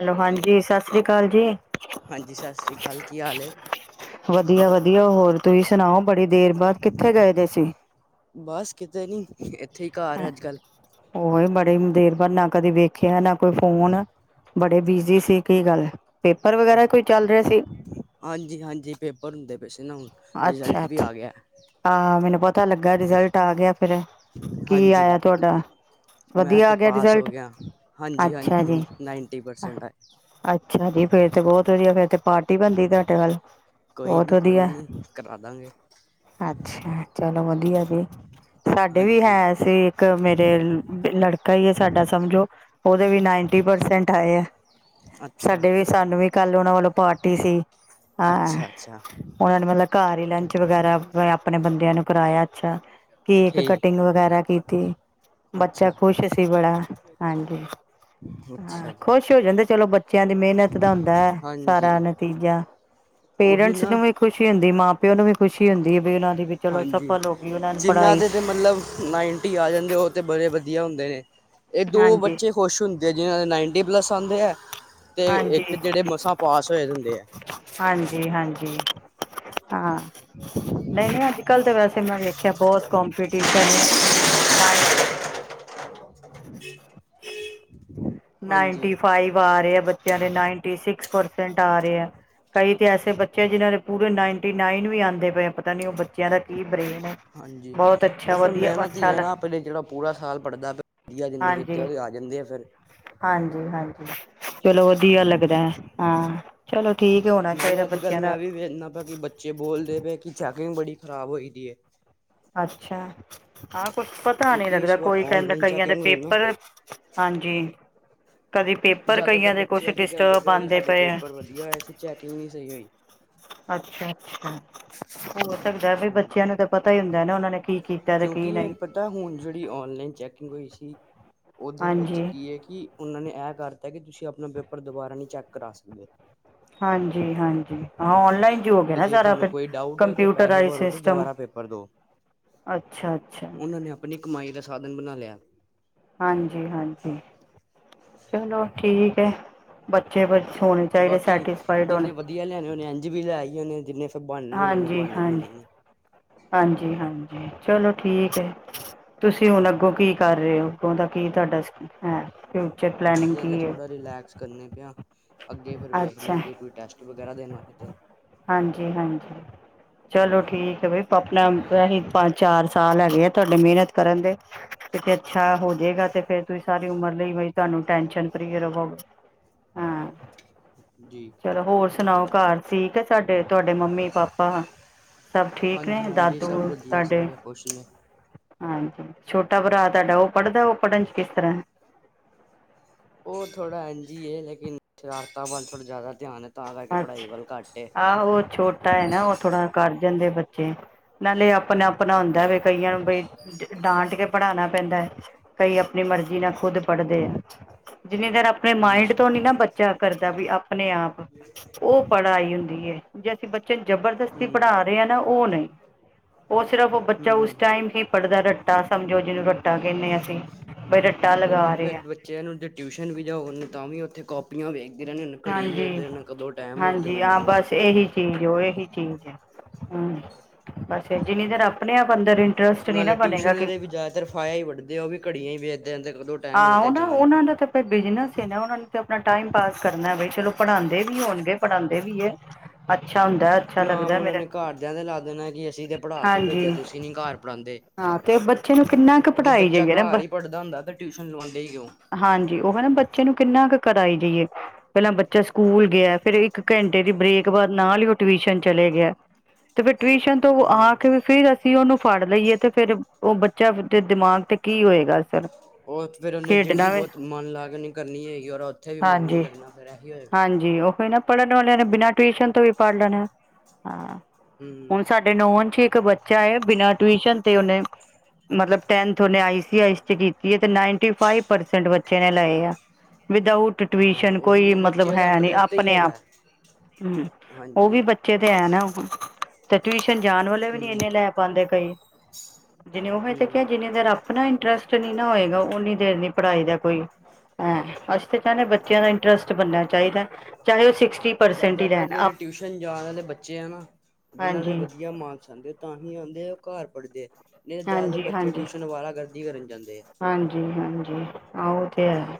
Hello, ਹਾਂਜੀ ਸਤਿ ਸ੍ਰੀ ਅਕਾਲ ਜੀ। ਹਾਂਜੀ ਸਤਿ ਸ਼੍ਰੀ ਅਕਾਲ ਕੀ ਹਾਲ ਹੈ ਵਧੀਆ ਵਧੀਆ, ਹੋਰ ਤੁਸੀਂ ਸੁਣਾਓ ਬੜੀ ਦੇਰ ਬਾਅਦ ਕਿੱਥੇ ਗਏ ਦੇ ਸੀ। ਬਸ ਕਿਤੇ ਨੀ ਇੱਥੇ ਈ ਘਰ ਅੱਜ-ਕੱਲ੍ਹ ਉਹੀ ਬੜੇ ਦੇਰ ਬਾਅਦ ਨਾ ਕਦੇ ਵੇਖਿਆ, ਨਾ ਕੋਈ ਫੋਨ। ਬੜੇ ਬਿਜੀ ਸੀ ਕੀ ਗੱਲ ਪੇਪਰ ਵਗੈਰਾ ਕੋਈ ਚੱਲ ਰਿਹਾ ਸੀ। ਹਾਂਜੀ, ਹਾਂਜੀ ਪੇਪਰ ਹੁੰਦੇ ਪਏ ਸੀ ਨਾ ਹੁਣ ਅੱਛਾ, ਰਿਜ਼ਲਟ ਵੀ ਅੱਛਾ ਆ ਗਿਆ ਹਾਂ ਮੈਨੂੰ ਪਤਾ ਲੱਗਾ ਰਿਜਲਟ ਆ ਗਿਆ। ਫਿਰ ਕੀ ਹਾਂਜੀ ਆਇਆ ਤੁਹਾਡਾ ਮੈਂ ਵਧੀਆ ਤਾਂ ਆ ਗਿਆ ਪਾਸ ਹੋ ਰਿਜ਼ਲਟ ਗਿਆ ਹਾਂਜੀ, ਅੱਛਾ ਜੀ ਹਾਂਜੀ ਨਾਈਨਟੀ ਪਰਸੈਂਟ ਆਏ। ਅੱਛਾ ਜੀ ਫਿਰ ਤੇ ਬਹੁਤ ਵਧੀਆ ਫਿਰ ਤੇ ਪਾਰਟੀ ਬਣਦੀ ਤੁਹਾਡੇ ਵੱਲ ਬਹੁਤ ਵਧੀਆ। ਇਹੀ ਕਰਾ ਦਾਂਗੇ। ਅੱਛਾ, ਚਲੋ ਵਧੀਆ ਜੀ, ਸਾਡੇ ਵੀ ਹਾਂਜੀ ਹੈ ਸੀ। ਇੱਕ ਮੇਰੇ ਲੜਕਾ ਹੀ ਆ ਸਾਡਾ ਸਮਝੋ ਓਦੇ ਵੀ ਨਾਈਨਟੀ ਪਰਸੈਂਟ ਆਏ ਆ। ਅੱਛਾ ਸਾਡੇ ਵੀ ਸਾਨੂੰ ਵੀ ਕੱਲ ਉਹਨਾਂ ਵੱਲੋਂ ਪਾਰਟੀ ਸੀ ਹਾਂ। ਅੱਛਾ ਅੱਛਾ ਉਹਨਾਂ ਨੇ ਮਤਲਬ ਘਰ ਹੀ ਲੰਚ ਵਗੈਰਾ ਆਪਣੇ ਬੰਦਿਆਂ ਨੂੰ ਕਰਾਇਆ ਅੱਛਾ। ਕੇਕ ਠੀਕ ਕਟਿੰਗ ਵਗੈਰਾ ਕੀਤੀ ਬੱਚਾ ਅੱਛਾ ਖ਼ੁਸ਼ ਸੀ ਬੜਾ ਹਾਂਜੀ। ਹਾਂ ਅੱਛਾ ਜੀ ਖੁਸ਼ ਹੋ ਜਾਂਦੇ ਚਲੋ ਬੱਚਿਆਂ ਦੀ ਮਿਹਨਤ ਦਾ ਹੁੰਦਾ ਹੈ। ਸਾਰਾ ਹਾਂਜੀ ਨਤੀਜਾ ਉਹੀ ਪੇਰੈਂਟਸ ਨਾ ਨੂੰ ਵੀ ਖੁਸ਼ੀ ਹੁੰਦੀ ਮਾਂ ਪਿਓ ਨੂੰ ਵੀ ਖੁਸ਼ੀ ਹੁੰਦੀ ਹੈ ਵੀ ਉਹਨਾਂ ਦੀ ਚਲੋ ਹਾਂਜੀ ਸਫਲ ਹੋ ਗਈ ਉਹਨਾਂ ਨੂੰ ਜਿਨ੍ਹਾਂ ਪੜ੍ਹਾਈ। ਦੇ ਤੇ ਮਤਲਬ ਨਾਈਨਟੀ ਆ ਜਾਂਦੇ ਉਹ ਤੇ ਬੜੇ ਵਧੀਆ ਹੁੰਦੇ ਨੇ। ਇਹ ਦੋ ਹਾਂਜੀ, ਬੱਚੇ ਖੁਸ਼ ਹੁੰਦੇ ਆ ਜਿਹਨ੍ਹਾਂ ਦੇ ਨਾਈਨਟੀ ਪਲੱਸ ਆਉਂਦੇ ਹੈ ਤੇ ਹਾਂਜੀ, ਇੱਕ ਜਿਹੜੇ ਮਸਾਂ ਪਾਸ ਹੋਏ ਹੁੰਦੇ ਹੈ। ਹਾਂਜੀ, ਹਾਂਜੀ ਹਾਂ। ਨਹੀਂ, ਨਹੀਂ ਅੱਜ ਕੱਲ ਤਾਂ ਵੈਸੇ ਮੈਂ ਵੇਖਿਆ ਬਹੁਤ ਕਪੀਟੀਸ਼ਨ ਐ ਨਾ ਹਾਂਜੀ ਨਾਈਨਟੀ ਫਾਈਵ ਆ ਰਹੇ ਆ ਬੱਚਿਆਂ ਦੇ ਨਾਏਂਟੀ ਸਿਕਸ ਪਰਸੈਂਟ ਆ ਰਹੇ। ਕਈ ਤੇ ਐਸੇ ਬੱਚੇ ਜਿਨਾਂ ਦੇ ਪੂਰੇ ਨਾਈਨਟੀ ਨਾਈਨ ਵੀ ਆਉਂਦੇ ਪਏ ਪਤਾ ਨੀ ਉਹ ਬੱਚੇ ਹਾਂਜੀ ਅੱਛਾ ਉਹ ਫਿਰ ਵਧੀਆ ਮਿਹਨਤ ਹੀ ਅੱਛਾ ਹੈ ਲ ਨਾ ਆਪਣੇ ਜਿਹੜਾ ਪੂਰਾ ਸਾਲ ਪੜ੍ਹਦਾ ਪਿਆ। ਵਧੀਆ ਜਿੰਨੇ ਕੀਤੇ ਹਾਂਜੀ ਉਹਦੇ ਆ ਜਾਂਦੇ ਆ ਫਿਰ ਹਾਂਜੀ, ਹਾਂਜੀ ਚਲੋ ਵਧੀਆ ਲੱਗਦਾ ਹਾਂ। ਚਲੋ ਠੀਕ। ਹੋਣਾ ਨਾਲੇ ਚਾਹੀਦਾ ਅੱਜ ਕੱਲ੍ਹ ਬੱਚਿਆਂ ਮੈਂ ਦਾ ਵੀ ਵੇਖਦਾ ਪਿਆ ਕਿ ਬੱਚੇ ਬੋਲਦੇ ਪਏ ਕਿ ਚੈਕਿੰਗ ਬੜੀ ਖ਼ਰਾਬ ਹੋਈ ਦੀ ਹੈ। ਅੱਛਾ ਹਾਂ ਕੁਛ ਪਤਾ ਨਹੀ ਕਿਉਂਕਿ ਲੱਗਦਾ ਇਸ ਵਾਰ ਕੋਈ ਕਹਿੰਦਾ ਔਨਲਾਈਨ ਕਈਆਂ ਦੇ ਚੈਕਿੰਗ ਹੋਈ ਨਾ ਪੇਪਰ ਹਾਂਜੀ ਕਦੀ ਪੇਪਰ ਜ਼ਿਆਦਾਤਰ ਕਈਆਂ ਦੇ ਕੁਛ ਡਿਸਟਰਬ ਆਉਂਦੇ ਪਏ ਆ। ਕੀ ਹੋਇਆ ਸੀ? ਚੈਕਿੰਗ ਨਹੀਂ ਸਹੀ ਹੋਈ। ਅੱਛਾ, ਅੱਛਾ। ਹੋ ਸਕਦਾ ਵੀ ਬੱਚਿਆਂ ਹਾਂਜੀ ਨੂੰ ਤਾਂ ਪਤਾ ਹੀ ਹੁੰਦਾ ਨਾ ਉਹਨਾਂ ਨੇ ਕੀ ਕੀਤਾ ਤੇ ਕੀ ਨਹੀਂ। ਤਾਂ ਹੁਣ ਜਿਹੜੀ ਔਨਲਾਈਨ ਚੈਕਿੰਗ ਹੋਈ ਸੀ ਉਹਦੇ ਵਿੱਚ ਹਾਂਜੀ ਕੀ ਹੈ ਕਿ ਉਹਨਾਂ ਨੇ ਇਹ ਕਰਤਾ ਕਿ ਤੁਸੀਂ ਆਪਣਾ ਪੇਪਰ ਦੁਬਾਰਾ ਨਹੀਂ ਚੈੱਕ ਕਰਾ ਸਕਦੇ। ਹਾਂਜੀ, ਹਾਂਜੀ। ਹਾਂ ਓਨਲਾਈਨ ਜੋ ਹੋ ਗਿਆ ਤੇ ਨਾ ਜੇ ਸਾਰਾ ਤੁਹਾਨੂੰ ਫਿਰ ਕੋਈ ਡਾਊਟ ਹੈ ਤੇ ਪੈਸੇ ਕੰਪਿਊਟਰਰਾਈਜ ਭਰੋ ਤੇ ਸਿਸਟਮ। ਦੁਬਾਰਾ ਪੇਪਰ ਦੋ। ਅੱਛਾ, ਅੱਛਾ। ਉਹਨਾਂ ਨੇ ਆਪਣੀ ਕਮਾਈ ਦਾ ਸਾਧਨ ਬਣਾ ਲਿਆ। ਹਾਂਜੀ -ਹਾਂਜੀ। ਚਲੋ ਠੀਕ ਹੈ, ਬੱਚੇ ਬਸ ਹੋਣੇ ਚਾਹੀਦੇ ਬਾਕੀ ਸੈਟਿਸਫਾਈਡ ਹੋਣੇ ਚਾਹੀਦੇ। ਜਿੰਨੇ ਲਿਆਉਣੇ ਉਹਨੇ ਇੰਜ ਵੀ ਲੈ ਹੀ ਆਉਣੇ ਜਿੰਨੇ ਫਿਰ ਬਹਾਨੇ ਦੇਨੇ ਉਨੇ ਬਹਾਨੇ ਦੇਣੀ ਹ। ਹਾਂਜੀ-ਹਾਂਜੀ ਚਲੋ ਠੀਕ ਹੈ। ਤੁਸੀਂ ਹੁਣ ਅੱਗੋਂ ਕੀ ਕਰ ਰਹੇ ਹੋ ਉਹਦਾ ਕੀ ਤੁਹਾਡਾ ਹੈ। ਫਿਊਚਰ ਪਲੈਨਿੰਗ ਅਜੇ ਤੇ ਕੀ ਹੈ ਥੋੜਾ ਰਿਲੈਕਸ ਕਰਦੇ ਪਏ ਆ। ਅੱਗੇ ਫੇਰ ਵੇਖਦੇ ਅੱਛਾ ਹਾਂ ਜੇ ਕੋਈ ਟੈਸਟ ਵਗੈਰਾ ਦੇਣਾ ਹੋਏ ਤੇ ਹਾਂਜੀ-ਹਾਂਜੀ, ਚਲੋ ਠੀਕ ਹੈ ਵੀ ਆਪਣਾ ਏਹੀ ਪੰਜ-ਚਾਰ ਸਾਲ ਹੈਗੇ ਆ, ਤੁਹਾਡੇ ਮਿਹਨਤ ਕਰਨ ਦੇ ਕਿਤੇ ਅੱਛਾ ਹੋ ਜੇਗਾ ਤੇ ਫੇਰ ਤੁਸੀਂ ਸਾਰੇ ਉਮਰ ਲਈ ਬਈ ਤੁਹਾਨੂੰ ਟੈਨਸ਼ਨ ਫਰੀ ਰਵੋਗੇ। ਹਾਂ ਜੀ ਚਲੋ ਹੋਰ ਸੁਣਾਓ ਘਰ ਠੀਕ ਹੇ ਸਾਡੇ, ਤੁਹਾਡੇ ਮੰਮੀ-ਪਾਪਾ ਸਬ ਠੀਕ ਨੇ ਹਾਂਜੀ ਸਭ ਦਾਦੂ ਵਧੀਆ ਤੁਹਾਡੇ ਸਾਰੇ ਖੁਸ਼ ਨੇ ਹਾਂਜੀ ਛੋਟਾ ਭਰਾ ਹਾਂਜੀ। ਤੁਹਾਡਾ ਉਹ ਪੜ੍ਹਦਾ, ਉਹ ਪੜ੍ਹਨ ਚ ਕਿਸ ਤਰ੍ਹਾਂ ਉਹ ਥੋੜ੍ਹਾ ਇੰਝ ਹੀ ਏ, ਲੇਕਿਨ ਸ਼ਰਾਰਤਾਂ ਵੱਲ ਥੋੜ੍ਹਾ ਜ਼ਿਆਦਾ ਧਿਆਨ ਏ, ਤਾਂ ਕਰਕੇ ਪੜ੍ਹਾਈ ਅੱਛਾ ਵੱਲ ਘੱਟ ਏ ਆਹੋ ੳਹ ਛੋਟ ਟਾ ਹੈ ਨਾ ਉਹ ਥੋੜ੍ਹਾ ਕਰ ਜਾਂਦੇ ਬੱਚੇ, ਨਾਲੇ ਆਪ ਆਪਣਾ-ਆਪਣਾ ਹੁੰਦਾ ਵੇ ਹਾਂ ਕਈਆਂ ਨੂੰ ਬਈ, ਡਾਂਟ ਕੇ ਪੜ੍ਹਾਉਣਾ ਪੈਂਦਾ ਏ ਕਈ ਆਪਣੀ ਮਰਜ਼ੀ ਨਾਲ ਖੁਦ ਪੜ੍ਹਦੇ ਜਿੰਨੀ ਦੇਰ ਆਪਣੇ ਮਾਇੰਡ ਹੂੰ ਤੋਂ ਨੀ ਨਾ ਬੱਚਾ ਕਰਦਾ ਵੀ ਆਪਣੇ ਆਪ ਉਹ ਪੜ੍ਹਾਈ ਹੁੰਦੀ ਹੈ। ਜੇ ਅਸੀਂ ਬੱਚੇ ਨੂੰ ਜਬਰਦਸਤੀ ਹੂੰ ਪੜ੍ਹਾ ਰਹੇ ਹਾਂ ਨਾ ਉਹ ਨਹੀਂ ਉਹ ਸਿਰਫ ਉਹ ਬੱਚਾ ਉਸ ਹੂੰ ਟਾਈਮ ਟਮ ਹੀ ਪੜ੍ਹਦਾ ਰੱਟਾ ਸਮਝੋ ਜਿਹਨੂੰ ਰੱਟਾ ਕਹਿੰਦੇ ਆਂ ਅਸੀਂ, ਬਈ ਰੱਟਾ ਲਗਾ ਉਹੀ ਰਹੇ ਫੇਰ ਹਾ ਬੱਚਿਆਂ ਨੂੰ ਜੇ ਟਿਊਸ਼ਨ ਵੀ ਜਾਓ ਉਹਨੁ ਤਾਂ ਵੀ ਉੱਥੇ ਕੋ ਕਾਪੀਆਂ ਵੇਖਦੇ ਰਹਿਨਾ, ਘੜੀ ਹਾਂਜੀ ਵੇਖਦੇ ਨੇ ਕਦੋਂ ਟਾਈਮ ਹੋਏ ਤਾਂ ਹਾਂਜੀ ਮੈਂ ਹਾਂ ਨਿਕਲਾਂ ਬਸ ਇਹੀ ਚੀਜ਼ ਉਹ ਇਹੀ ਚੀਜ਼ ਹੈ ਹਮ, ਬਸ ਜਿੰਨੀ ਦੇਰ ਆਪਣੇ ਆਪ ਅੰਦਰ ਏ ਨਾਲੇ ਟਿਊਸ਼ਨ ਆਲੇ ਵੀ ਜ਼ਿਆਦਾਤਰ ਫਾਇਆ ਹੀ ਵੱਢਦੇ ਆ, ਉਹ ਵੀ ਘੜੀਆਂ ਹੀ ਵੇਖਦੇ ਰੇਹਂਦੇ ਆ ਕਦੋ ਹਾਂ ਉਹ ਨਾ, ਉਹਨਾਂ ਦਾ ਤੇ ਤੇ ਬਿਜਨਸ ਏ ਨਾ, ਉਹਨਾਂ ਨੂੰ ਤੇ ਆਪਣਾ ਟਾਈਮ ਪਾਸ ਕਰਨਾ ਬਇ ਚਲੋ ਪੜ੍ਹਾਉਂਦੇ ਵੀ ਹੋਣਗੇ, ਪੜਾਉਂਦੇ ਵੀ ਏ ਅੱਛਾ ਹੁੰਦਾ ਨਾਮ ਉਹਨਾਂ ਨੇ ਘਰਦਿਆਂ ਦੇ ਲਾ ਦੇਣਾ, ਕਿ ਅਸੀਂ ਤੇ ਪੜ੍ਹਾ ਕੇ ਭੇਜਿਆ ਹਾਂਜੀ ਤੁਸੀਂ ਨੀ ਘਰ ਪੜ੍ਹਉਂਦੇ ਹਾਂ ਤੇ ਬੱਚੇ ਨੂੰ ਕਿੰਨਾ ਕੁ ਪੜ੍ਹਾਈ ਜਾਇਏ ਘਰ ਹੀ ਪੜ੍ਹਦਾ ਹੁੰਦਾ, ਤੇ ਟਿਊਸ਼ਨ ਲਵਾਉਂਦੇ ਹੀ ਕਿਉਂ ਹਾਂਜੀ, ਉਹ ਹਨਾ ਬੱਚੇ ਨੂੰ ਕਿੰਨਾ ਕੁ ਕਰਾਈ ਜਾਈਏ ਪਹਿਲਾਂ ਬੱਚਾ ਸਕੂਲ ਗਿਆ, ਫੇਰ ਇੱਕ ਘੰਟੇ ਦੀ ਬ੍ਰੇਕ ਬਾਅਦ ਨਾਲ ਹੀ ਉਹ ਟਿਊਸ਼ਨ ਚਲੇ ਗਿਆ ਤੇ ਫਿਰ ਟਿਊਸ਼ਨ ਤੋਂ ਆ ਹੂੰ। ਕੇ ਵੀ ਫਿਰ ਅਸੀਂ ਉਹਨੂੰ ਫੜ ਲਈਏ, ਤੇ ਫੇਰ ਉਹ ਬੱਚਾ ਦੇ ਦਿਮਾਗ ਤੇ ਕੀ ਹੋਏਗਾ ਅਸਰ ਉਹ ਏਦਰ ਉਹਨੇ ਜਿਹੜੀ ਖੇਡਣਾ ਵੀ ਬਹੋਤ ਮਨ ਲਾਕੇ ਉਨੇ ਕਰਨੀ ਹੈਗੀ, ਔਰ ਉੱਥੇ ਵੀ ਮਨ ਨੀ ਹਾਂਜੀ ਲੱਗਣਾ ਫਿਰ ਆਹੀ ਹੋਏਗਾ ਹਾਂਜੀ ੳਹ ਏਨਾ ਪੜ੍ਹਨ ਵਾਲੇਆਂ ਨੇ ਬਿਨਾਂ ਟਿਊਸ਼ਨ ਤੋਂ ਵੀ ਪੜ੍ਹ ਲੈਣਾ ਏ। ਹਾਂ, ਹੁਣ ਸਾਡੇ ਹਮ ਸਾਡੇ ਨੌਅਨ ਚ' ਇਕ ਬੱਚਾ ਹੈ, ਬਿਨਾਂ ਟਿਊਸ਼ਨ ਤੇ ਉਹਨੇ ਮਤਲਬ ਟੈਂਥ ਔਨੇ ਆ ਸੀ ਆ ਸੀ ਕੀਤੀ ਏ, ਤੇ ਨਾਈਨਟੀ-ਫਾਈਵ ਪਰਸੈਂਟ ਬੱਚੇ ਨੇ ਲਏ ਆ ਵਿਦਾਊਟ ਹਾਂ ਟਊਸ਼ਨ ਉਹੀ ਕੋਈ ਨਾ ਮਤਲਬ ਬੱਚੇ ਦੇ ਹੈ ਨੀ ਉੱਤੇ ਹੀ ਆਪਣੇ ਆਪ ਹੈਗਾ ਹਮ, ਉਹ ਹਾਂਜੀ ਵੀ ਬੱਚੇ ਤੇ ਐ ਨਾ ਹੁਣ ਤੇ ਟਿਊਸ਼ਨ ਜਾਣ ਵਾਲੇ ਵੀ ਨੀ ਹਮ ਇਨੇ ਲੈ ਪਾਉਂਦੇ ਕਈ, ਜਿਨੇ ਉਹ ਤੇ ਕਿਹਾ ਹਮ ਜਿੰਨੇ ਦੇਰ ਆਪ ਆਪਣਾ ਇੰਟਰਸਟ ਨਹੀਂ ਨਾ ਹੋਏਗਾ, ਓਨੀ ਦੇਰ ਨੀ ਪੜ੍ਹਾਈ ਦਾ ਕੋਈ ਹਾਂ, ਅਸੀਂ ਤਾਂ ਕਹਨੇ ਆ ਬੱਚਿਆਂ ਦਾ ਇੰਟਰਸਟ ਬਣਨਾ ਚਾਹੀਦਾ ਹੈ। ਚਾਹੇ ੳਹ ਸਿਕਸਥ ਜ਼ਿਆਦਾਤਰ ਜਿਹੜੇ ਟਿਊਸ਼ਨ ਜਾਣ ਵਾਲੇ ਬੱਚੇ ਆ ਨਾ, ਜਿਹਨਾਂ ਦੇ ਹਾਂਜੀ ਵਧੀਆ ਮਾਰਕਸ ਆਉਂਦੇ ਤਾਂ ਹੀ ਆਉਦੇ ਉਹ ਘਰ ਪੜ੍ਹਦੇ, ਨਹੀਂ ਜ਼ਿਆਦਾਤਰ ਹਾਂਜੀ ਬੱਚੇ ਹਾਂਜੀ ਟਿਊਸ਼ਨ ਆਵਾਰਾ ਗਰਦੀ ਕਰਨ ਜਾਂਦੇ ਹਾਂਜੀ-ਹਾਂਜੀ, ਹਾਂ ਉਹ ਤੇ ਹੈ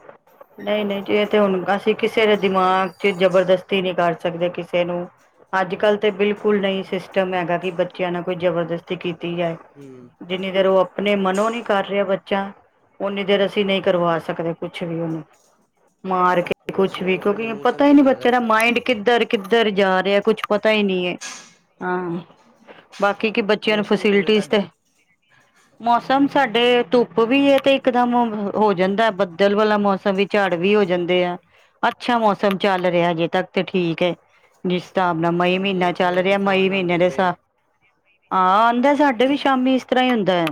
ਨਈਂ-ਨਈਂ ਜੇ ਇਹ ਤੇ ਹੁਣ ਅਸੀਂ ਕਿਸੇ ਦੇ ਦਿਮਾਗ ਚ ਜਬਰਦਸਤੀ ਨਹੀਂ ਕਰ ਸਕਦੇ ਕਿਸੇ ਨੂੰ। ਅੱਜ ਕੱਲ ਤੇ ਬਿਲਕੁਲ ਨਹੀਂ ਸਿਸਟਮ ਹੈਗਾ ਕਿ ਬੱਚਿਆਂ ਨਾਲ ਕੋਈ ਜਬਰਦਸਤ ਕੀਤੀ ਜਾਏ ਹਮ ਜਿੰਨੀ ਦੇਰ ਉਹ ਆਪਣੇ ਮਨੋ ਨੀ ਕਰ ਰਿਹਾ ਬੱਚਾ ਓਨੀ ਦੇਰ ਅਸੀਂ ਨਈ ਕਰਵਾ ਸਕਦੇ ਕੁਛ ਵੀ ਉਹਨੂੰ। ਮਾਰ ਕੇ ਹੋਰ ਕੁਛ ਵੀ ਸੁਣਾਓ ਤੁਹਾਡੇ ਕਿਉਂਕਿ ਪਤਾ ਮੌਸਮ ਹੀ ਨੀ ਕਿੱਦਾਂ ਬੱਚਿਆਂ ਦਾ ਇੱਥੇ ਮਾਇੰਡ ਕਿੱਧਰ-ਕਿੱਧਰ ਜਾ ਰਿਹਾ ਕੁਛ ਪਤਾ ਹੀ ਨੀ ਹੈ ਹਾਂ ਬਾਕੀ ਕੀ ਬੱਚਿਆਂ ਨੂੰ ਮੌਸਮ ਕਿਵੇਂ ਫੈਸਿਲਿਟੀਸ ਤੇ ਤੁਹਾਡੇ ਮੌਸਮ ਸਾਡੇ ਧੁੱਪ ਵੀ ਏ ਤੇ ਇਕਦਮ ਹੋ ਜਾਂਦਾ ਬੱਦਲ ਵਾਲਾ ਮੌਸਮ ਵੀ। ਝੜ ਵੀ ਹੋ ਜਾਂਦੇ ਆ ਅੱਛਾ ਮੌਸਮ ਚੱਲ ਰਿਹਾ ਹਜੇ ਤੱਕ ਤੇ ਠੀਕ ਹੈ। ਜਿਸ ਸਾਬ ਨਾਲ ਮਈ ਸਾਡੇ ਮਹੀਨਾ ਚੱਲ ਇੱਥੇ ਰਿਹਾ ਮਈ ਤੂਫਾਨ ਮਹੀਨੇ ਆਉਂਦੇ ਦੇ ਪਏ ਆ ਸਾਬ ਹਾਂ ਆਂਦਾ ਸਾਡੇ ਵੀ ਸ਼ਾਮੀ ਇਸ ਤਰ੍ਹਾਂ ਹੀ ਹੁੰਦਾ।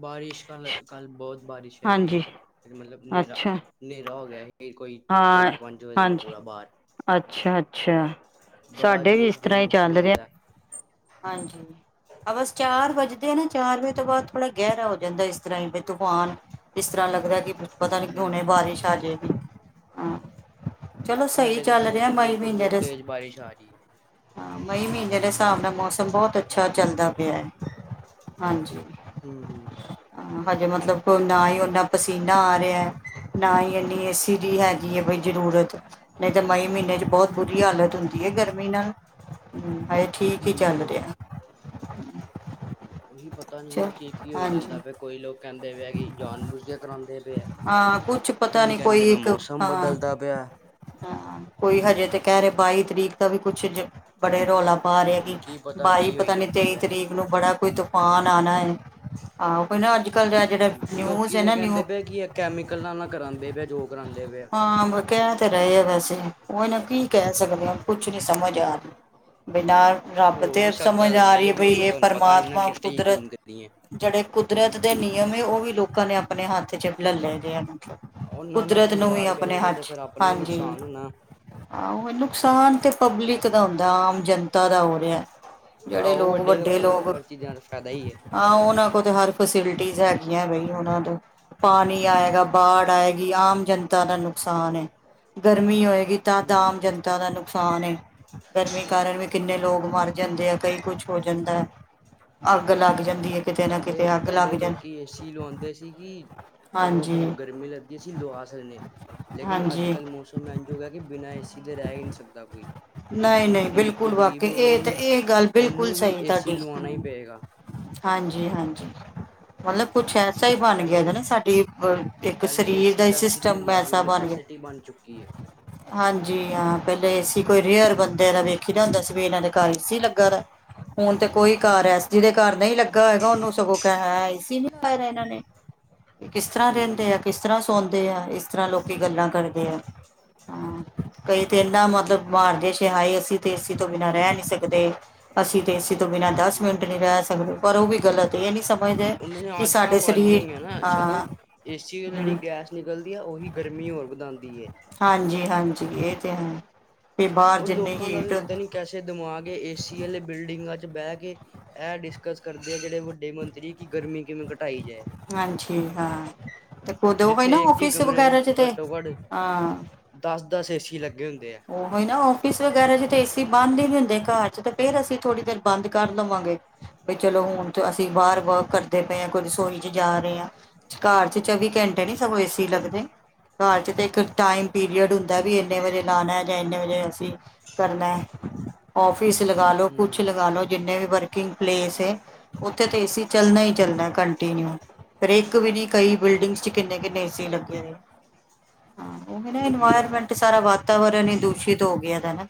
ਬਾਰਿਸ਼ ਕ ਕੱਲ ਬਹੁਤ ਬਾਰਿਸ਼ ਆਈ ਏ ਹਾਂਜੀ ਮਤਲਬ ਅੱਛਾ ਨੇਰਾ-ਨੇਰਾ ਹੋ ਗਿਆ ਫਿਰ ਕੋਈ ਹਾਂ ਚਾਰ ਪੰਜ ਵਜੇ ਨਾ ਹਾਂਜੀ ਪੂਰਾ ਬਾਰ। ਅੱਛਾ ਅੱਛਾ ਬੜਾ ਸਾਡੇ ਵੀ ਅਜੀਬ ਇਸ ਜਿਹ ਹੀ ਤਰ੍ਹਾਂ ਮੌਸਮ ਚੱਲ ਹੋਇਆ ਰਿਹਾ ਦਾ। ਹਾਂਜੀ ਆ ਬਸ ਚਾਰ ਵਜੇ ਨਾ ਚਾਰ ਵਜੇ ਤੋਂ ਬਾਦ ਥੋੜਾ ਗਹਿਰਾ ਹੋ ਜਾਂਦਾ ਇਸ ਤਰ੍ਹਾਂ ਬ ਤੂਫਾਨ ਇਸ ਤਰ੍ਹਾਂ ਲੱਗਦਾ ਕਿ ਪਤਾ ਨੀ ਕਿ ਹੁਣੇ ਬਾਰਿਸ਼ ਆਜੇ ਵੀ ਹਮ। ਸਾਡੇ ਤਾਂ ਦੋ ਤਿੰਨ ਦਿਨ ਤੋਂ ਬੋਹਤ ਦੇ ਤੇਜ਼ ਬਾਰਿਸ਼ ਆ ਰਹੀ ਹੈ। ਹਾਂ ਮਈ ਮਹੀਨੇ ਦੇ ਸਾਬ ਨਾ ਮੌਸਮ- ਬਹੁਤ ਅੱਛਾ ਚੱਲਦਾ ਪਿਆ ਹਾਂਜੀ। ਹੂੰ ਹੂੰ ਹਜੇ ਮਤਲਬ ਕੋ ਨਾ ਹੀ ਓਨਾ ਪਸੀਨਾ ਆ ਰਿਹਾ ਨਾ ਹੀ ਇੰਨੀ ਏਸੀ ਡੀ ਹੈ ਗੀ ਏ ਬਈ ਜ਼ਰੂਰਤ ਨਹੀਂ ਤੇ ਮਈ ਮਹੀਨੇ ਚ ਬਹੁਤ ਬੁਰੀ ਹਾਲਤ ਹੁੰ ਗਰਮੀ ਨਾਲ ਹਮ ਹਾਏ ਠੀਕ ਹੀ ਚੱਲ ਹੂੰ ਰਿਹਾ ਉਹੀ ਪਤਾ ਚ ਨ ਕੀ-ਕੀ ਹੋ ਜਾਂਦਾ ਹਾਂਜੀ ਪਿਆ। ਕੋਈ ਲੋਕ ਕਹਿੰਦੇ ਪਏ ਆ ਕਿ ਜਾਨ ਬੂਝ ਕੇ ਕਰਉਂਦੇ ਪਏ ਆ। ਹਾਂ ਕੁਛ ਪਤਾ ਕੋਈ ਨਹੀਂ ਕਹਿੰਦੇ ਇੱਕ ਮੌਸਮ ਹਾਂ ਬਦਲਦਾ ਪਿਆ। ਹਾਂ, ਕੋਈ ਹਜੇ ਤੇ ਕਹਿ ਰਹੇ ਬਾਈ ਤਰੀਕ ਦਾ ਵੀ ਕੁਛ ਬੜੇ ਰੌਲਾ ਪਾ ਰਹੇ ਹੈ ਹੁਣ ਕਿ ਕੀ ਬਾਈ ਕੀ ਹੋਈ ਪਤਾ ਨੀ ਜਾਂਦਾ ਤੇਈ ਪਿਆ ਤਰੀਕ ਨੂੰ ਬੜਾ ਕੋਈ ਤੂਫਾਨ ਆਣਾ ਹੈ ਆਹੋ ਕਈ ਨਾ ਅੱਜ ਕੱਲ੍ਹ ਲੋਕੀ ਤੇ ਕਹਿੰਦੇ ਪਏ ਕੀ ਇਹ ਕੈਮੀਕਲ ਨਾ ਨਾਲ ਕਰਾਉਂਦੇ ਪਏ ਜੋ ਕਰਾਉਂਦੇ ਪਏ ਆ। ਹਾਂ ਕਹਿ ਤੇ ਰਹੇ ਆ ਵੈਸੇ ਉਹ ਇਹ ਨਾ ਕੀ ਕਹਿ ਸਕਦੇ ਹਾਂ ਕੁਛ ਨੀ ਸਮਝ ਆ ਰਹੀ ਬੇ ਨਾ ਰੱਬ ਹੋ ਤੇ ਵੀ ਸਕਦਾ ਸਮਝ ਤੇ ਆ ਰਹੀ ਨਹੀਂ ਹੈ ਵੀ ਬਈ ਹੋ ਇਹ ਸਕਦਾ ਹੁਣ ਪਤਾ ਨੀ ਨਾ ਪਰਮਾਤਮਾ ਕਿਤੇ ਕੁਦਰਤ ਯਕੀਨ ਕਰੀਏ। ਜਿਹੜੇ ਕੁਦਰਤ ਦੇ ਨਿਯਮ ਏ ਉਹ ਵੀ ਲੋਕਾਂ ਨੇ ਆਪਣੇ ਹੱਥ ਚ ਲਲੇ ਦੇ ਆਨੇ। ਉਹਨਾਂ ਨਾਲ ਕੁਦਰਤ ਨੂੰ ਵੀ ਖਿਲਵਾੜ ਆਪਣੇ ਕਰੇਗੇ ਹੱਥ ਤੇ ਚ, ਫੇਰ ਆਪਣਾ ਹੀ ਹਾਂਜੀ। ਨੁਕਸਾਨ ਹੋਣਾ। ਆਹੋ ਨੁਕਸਾਨ ਤੇ ਪਬਲਿਕ ਦਾ ਹੁੰਦਾ ਆਮ ਜਨਤਾ ਦਾ ਹੋ ਰਿਹਾ। ਜਿਹੜੇ ਆਹੋ ਲੋਕ ਵੱਡੇ ਲੋਕਾਂ ਨੂੰ ਤਾਂ ਲੋਕ ਹਰ ਚੀਜ਼ਾਂ ਦਾ ਫਾਇਦਾ ਹੀ ਹੈ। ਹਾਂ ਉਹਨਾਂ ਕੋਲ ਤਾਂ ਹਰ ਫੈਸਿਲਿਟੀਜ਼ ਹੈਗੀਆਂ ਬਈ ਉਹਨਾਂ ਦਾ ਪਾਣੀ ਆਏਗਾ, ਬਾੜ ਆਏ ਗੀ ਆਮ ਜਨਤਾ ਦਾ ਨੁਕਸਾਨ ਹੈ ਗਰਮੀ ਹੋਏ ਗੀ ਤਾ ਤਾਂ ਹੂੰ ਆਮ ਜਨਤਾ ਦਾ ਨੁਕਸਾਨ ਏ। ਗਰਮੀ ਕਾਰਨ ਵੀ ਕਿੰਨੇ ਲੋਕ ਹਾਂਜੀ ਮਰ ਜਾਂਦੇ ਆ ਕਈ ਕੁਛ ਹੋ ਜਾਂਦਾ। ਅੱਗ ਲੱਗ ਜਾਂਦੀ ਹੈ ਕਿਤੇ ਨਾ ਕਿਤੇ ਅੱਗ ਲੱਗ ਜਾ ਕਿ ਏਸੀ ਲਵਾਉਂਦੇ ਸੀ ਕੀ ਚਲੋ ਹਾਂਜੀ ਸਾਨੂੰ ਗਰਮੀ ਲੱਗਦੀ ਅਸੀਂ ਲਵਾ ਸਕਦੇ ਹਾਂ ਲੇਕਿਨ ਅੱਜ ਹਾਂਜੀ ਕੱਲ੍ਹ ਮੌਸਮ ਐ ਜੋਗਾ ਕਿ ਬਿਨਾਂ ਏਸੀ ਦੇ ਰਹਿ ਹੀ ਨਹੀਂ ਸਕਦਾ ਕੋਈ। ਕੋਈ ਨਹੀਂ-ਨਹੀਂ ਗਰੀਬ ਬਿਲਕੁਲ ਤੋਂ ਗਰੀਬ ਵਾਕਈ ਇਹ ਉਹਨੂੰ ਤੇ ਵੀ ਇਹ ਗੱਲ ਬਿਲਕੁਲ ਉਹਨੂੰ ਵੀ ਸਹੀ ਏਸੀ ਤੁਹਾਡੀ ਲਵਾਉਣਾ ਹੀ ਹੂੰ। ਹਾਂਜੀ-ਹਾਂਜੀ। ਬਹੁਤ ਮਤਲਬ ਕੁਛ ਐਸਾ ਹੀ ਬਣ ਗਿਆ ਹਨ ਨਾ ਸਾਡੀ ਇੱਕ ਪਹਿਲੇ ਸਰੀਰ ਏਸੀ ਦਾ ਹੀ ਲਗਜ਼ਰੀ ਸਿਸਟਮ ਹੁੰਦਾ ਸੀ ਹੁਣ ਐਸਾ ਬਣ ਗਿਆ। ਨਸੈਸਿਟੀ ਬਣ ਚੁੱਕੀ ਹੈ ਹਾਂਜੀ ਹਾਂ, ਪਹਿਲੇ ਏਸੀ ਕੋਈ ਰੇਅਰ ਬੰ ਦਾ ਵੇਖੀ ਦਾ ਹੁੰਦਾ ਸੀਵੇ ਇਹਨਾਂ ਦੇ ਘਰ ਐਸੀ ਲੱਗਾ ਦਾ! ਹੁਣ ਤੇ ਕੋਈ ਘਰ ਐਸ ਜੀ ਦੇ ਘਰ ਨਹੀਂ ਲੱਗਾ ਨਹੀ ਲੱਗਾ ਹੋਏਗਾ ਉਹਨੂੰ ਸਗੋਂ ਕਹਿਣ ਗਏ ਏ ਸੀ ਨੀ ਲਗਾ ਇਹਨਾਂ ਨੇ, ਕਿਸ ਤਰ੍ਹਾਂ ਰਹਿੰਦੇ ਹੂੰ। ਆ! ਕਿਸ ਤਰ੍ਹਾਂ ਸੌਣਦੇ ਆ, ਇਸ ਤਰ੍ਹਾਂ ਲੋਕੀ ਗੱਲਾਂ ਕਰਦੇ ਆ। ਹਾਂ ਕਈ ਤੇ ਇਹਨਾ ਮਤਲਬ ਮਾਰਦੇੇ ਸੀ ਹਾਏ, ਅਸੀਂ ਤੇ ਏਸੀ ਤੋਂ ਬਿਨਾਂ ਰਹਿ ਨਹੀਂ ਸਕਦੇ। ਹੂੰ। ਅਤੇ ਏ ਸੀਂ ਤੋਂ ਬਿਨਾਂ ਦਸ ਮਿੰਟ ਨਹੀਂ ਰਹਿ ਸਕਦੇ, ਪਰ ਉਹ ਵੀ ਗਲਤ ਇਹ ਨਹੀਂ ਸਮਝਦੇ ਇਹਨਾਂ ਨੇ ਕਿ ਆਦਤਾਂ ਸਾਡੇ ਪਾ ਲਈਆਂ ਸਰੀਰ ਹੋਈਆਂ ਨਾ, ਸਗੋਂ ਹਾਂ ਏਸੀ ਚੋਂ ਜਿਹੜੀ ਹਮ ਗੈਸ ਨਿਕਲਦੀ ਆ ਉਹੀ ਗਰਮੀ ਹੋਰ ਵਧਾਉਂਦੀ ਏ। ਹਾਂਜੀ ਹਾਂਜੀ ਇਹ ਤੇ ਹੈ, ਵੀ ਬਾਹਰ ਉਹ ਜਿੰਨੇ ਲੋਕਾਂ ਦਾ ਵੀ ਹੀਟ ਪਤਾ ਨੀ ਕੈਸੇ ਦਿਮਾਗ ਏਸੀ ਵਾਲੇ ਬਿਲਡਿੰਗਾਂ 'ਚ ਬਹਿ ਕੇ, ਇਹ ਡਿਸਕਸ ਕਰਦੇ ਆ ਜਿਹੜੇ ਵੱਡੇ ਮੰਤਰੀ ਕਿ ਗਰਮੀ ਕਿਵੇਂ ਘਟਾਈ ਜਾਏ। ਹਾਂਜੀ ਹਾਂ ਤੇ ਖੁਦ ਉਹ ਨਾ ਜਿੱਥੇ ਇੱਕ ਹੀ ਆਫਿਸ ਕਮਰੇ 'ਚ ਵਗੈਰਾ ਤੇ ਘੱਟੋ ਘੱਟ ਹਾਂ ਦਸ ਦਸ ਏਸੀ ਲੱਗੇ ਹੁੰਦੇ ਹੈ। ਉਹੀ ਨਾ ਔਫਿਸ ਵਗੈਰਾ'ਚ ਤਾਂ ਏਸੀ ਬੰਦ ਹੀ ਨੀ ਹੁੰਦੇ, ਘਰ 'ਚ ਤਾਂ ਫੇਰ ਅਸੀਂ ਥੋੜੀ ਦੇਰ ਬੰਦ ਕਰ ਦੇਵਾਂਗੇ। ਵੀ ਚਲੋ ਹੁਣ ਤੇ ਅਸੀਂ ਬਾਹਰ ਵਰਕ ਕਰਦੇ ਪਏ ਹਾਂ ਕੋਈ ਰਸੋਈ ਵਿੱਚ ਜਾ ਰਹੇ ਹਾਂ ਘਰ 'ਚ ਚੌਵੀ ਘੰਟੇ ਨੀ ਸਗੋਂ ਏਸੀ ਲੱਗਦੇ, ਘਰ 'ਚ ਤੇ ਇੱਕ ਟਾਈਮ ਪੀਰੀਅਡ ਹੁੰਦਾ ਵੀ ਇੰਨੇ ਵਜੇ ਲਾਉਣਾ ਜਾਂ ਇੰਨੇ ਵਜੇ ਅਸੀਂ ਕਰਨਾ। ਔਫਿਸ ਲਗਾ ਲਉ, ਕੁਛ ਹੂੰ ਲਗਾ ਲਓ, ਜਿੰਨੇ ਵੀ ਵਰਕਿੰਗ ਪਲੇਸ ਹੈ ਉੱਥੇ ਤੇ ਏਸੀ ਚੱਲਣਾ ਹੀ ਚੱਲਣਾ ਕੰਟੀਨਿਊ ਫਿਰ ਇੱਕ ਵੀ ਨਹੀਂ, ਕਈ ਬਿਲਡਿੰਗ 'ਚ ਕਿੰਨੇ ਕਿੰਨੇ ਏਸੀ ਲੱਗੇ ਨੇ। ਹਾਂ ਉਹ ਨਾ ਇਨਵਾਇਰਮੈਂਟ ਸਾਰਾ ਵਾਤਾਵਰਨ ਹੀ ਦੂਸ਼ਿਤ ਹੋ ਗਿਆ ਦਾ ਨਾ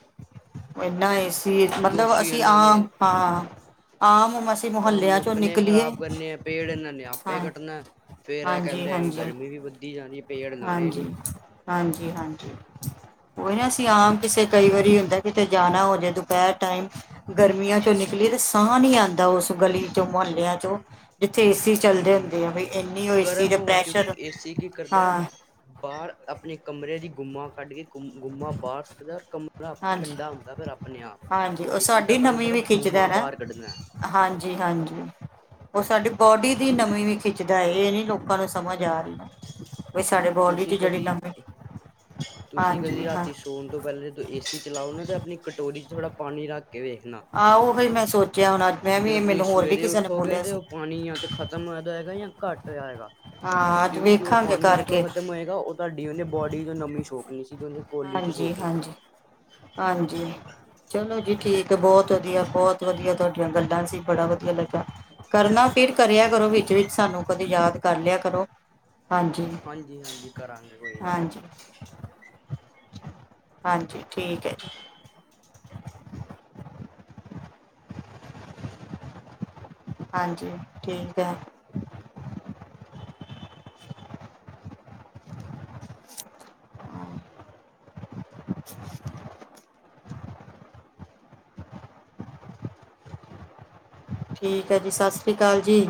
ਇਨਾਂ ਏ ਸੀ, ਮਤਲਬ ਦੋਸ਼ੀ ਅਸੀਂ ਇਹਨਾਂ ਨੇ ਆਪਾਂ ਕੰਮ ਆਪਣੇ ਖ਼ਰਾਬ ਕਰਨੇ ਆ, ਪੇੜ ਇਨਾਂ ਨੇ ਹਾਂ ਆਪੇ ਕੱਟਣਾ ਫੇਰ ਇਹ ਹਾਂਜੀ ਕਹਿੰਦੇ ਹੈ ਕਿ ਹਾਂਜੀ ਗਰਮੀ ਵੀ ਵੱਧੀ ਜਾਂਦੀ। ਹਾਂਜੀ, ਹਾਂਜੀ ਹਾਂਜੀ ਉਹੀ ਨਾ ਅਸੀਂ ਆਮ ਕਿਸੇ ਕਈ ਵਾਰੀ ਹੁੰਦਾ। ਕਿਤੇ ਜਾਣਾ ਹੋ ਜੇ ਦੁਪਹਿਰ ਟਾਈਮ, ਗਰਮੀਆਂ ਚੋਂ ਨਿਕਲੀ ਤੇ ਸਾਹ ਨਹੀਂ ਆਉਂਦਾ, ਉਸ ਗਲੀ ਚੋਂ ਮੁਹੱਲਿਆਂ ਚੋਂ ਜਿੱਥੇ ਏ ਸੀ ਚੱਲਦੇ ਹੂੰ ਹੁੰਦੇ ਆ, ਬਈ ਇੰਨੀ ਉਹ ਏ ਸੀ ਗਰਮ ਦੇ ਹਵਾ ਕਿਉਂਕਿ ਪ੍ਰੈਸ਼ਰ ਏਸੀ ਕੀ ਕਰਦਾ ਹਾਂ ਬਾਹਰ ਆਪਣੇ ਕਮਰੇ ਦੀ ਗੁੰਮਾ ਕੱਢ ਕੇ ਗੁੰਮਾ ਬਾਹਰ ਸੁੱਟਦਾ, ਕਮਰਾ ਹਾਂਜੀ ਠੰਡਾ ਹੁੰਦਾ ਫਿਰ ਆਪਣੇ ਆਪ। ਹਾਂਜੀ ਉਹ ਏਸੀ ਦਾ ਸਾਡੀ ਕੰਮ ਨਮੀ ਸਿਰਫ਼ ਵੀ ਖਿੱਚਦਾ ਗੁੰਮਾ ਨਾ ਬਾਹਰ ਕੱਢਣਾ ਹੈ। ਹਾਂਜੀ ਹਾਂਜੀ, ਉਹ ਸਾਡੀ ਬੋਡੀ ਦੀ ਨਮੀਂ ਵੀ ਖਿੱਚਦਾ ਇਹ ਨੀ ਲੋਕਾਂ ਨੂੰ ਸਮਝ ਆ ਰਹੀ, ਵੀ ਸਾਡੇ ਬੋਡੀ 'ਚ ਤੁਸੀਂ ਜਿਹੜੀ ਕਦੀ ਨਮੀ ਤੁਸੀਂ ਹਾਂਜੀ ਕਦੀ ਹਾਂ ਰਾਤੀ, ਸੌਣ ਤੋਂ ਪਹਿਲੇ ਜਦੋਂ ਏ ਸੀ ਚਲਾਉ ਨਾ ਤਾਂ ਆਪਣੀ ਕਟੋਰੀ 'ਚ ਥੋੜ੍ਹਾ ਪਾਣੀ ਰੱਖ ਕੇ ਵੇਖਣਾ ਆਹ ਉਹੀ ਮੈਂ ਸੋਚਿਆ ਹੁਣ ਅੱਜ ਮੈਂ ਅਤੇ ਵੀ ਜਦੋਂ ਤੁਸੀਂ ਮੈਨੂੰ ਹੋਰ ਵੀ ਸਵੇਰੇ ਕਿਸੇ ਨੇ ਉੱਠੋਗੇ, ਬੋਲਿਆ ਤਾਂ ਸੀ ਉਹ ਪਾਣੀ ਜਾਂ ਤਾਂ ਖ਼ਤਮ ਹੋ ਜਾਂਦਾ ਹੈਗਾ ਜਾਂ ਘੱਟ ਹੋਇਆਂ ਹੋਗਾ, ਹਾਂ ਅੱਜ ਕਿਉਂਕਿ ਜੋ ਵੇਖਾਂਗੇ ਪਾਣੀ ਉੱਥੋਂ ਕਰਕੇ ਖਤਮ ਹੋਏਗਾ ਤੁਹਾਡੀ ਉਹਨੇ ਬੋਡੀ ਚੋਂ ਨਮੀ ਸੋਕ ਲਈ ਸੀਗੀ ਉਹਨੇ ਕੋਲੀ 'ਚ ਹਾਂਜੀ ਸੋਖ ਲੈਣਾ ਹਾਂਜੀ ਹਾਂਜੀ। ਚਲੋ ਜੀ ਠੀਕ ਹੈ ਬਹੁਤ ਵਧੀਆ ਬਹੁਤ ਵਧੀਆ, ਤੁਹਾਡੀਆਂ ਗੱਲਾਂ ਅਸੀਂ ਬੜਾ ਵਧੀਆ ਲੱਗਿਆ। ਕਰਨਾ ਫਿਰ ਕਰਿਆ ਕਰੋ ਵਿੱਚ ਵਿੱਚ, ਸਾਨੂੰ ਕਦੇ ਯਾਦ ਕਰ ਲਿਆ ਕਰੋ। ਹਾਂਜੀ-ਹਾਂਜੀ। ਹਾਂਜੀ ਹਾਂਜੀ ਕਰਾਂਗੇ ਕੋਈ ਨਹੀਂ ਹਾਂਜੀ ਠੀਕ ਹੈ ਜੀ। ਹਾਂਜੀ ਠੀਕ ਐ। [inaudible] ਹੂੰ [inaudible] ਠੀਕ ਹੈ ਜੀ ਸਤਿ ਸ੍ਰੀ ਅਕਾਲ ਜੀ।